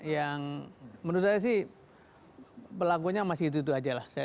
yang menurut saya sih pelakunya masih itu itu aja lah